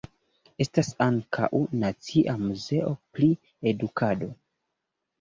Estas ankaŭ "Nacia Muzeo pri Edukado".